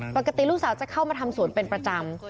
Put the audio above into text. ปกติลูกสาวจะเข้ามาทำสวนเป็นประจำ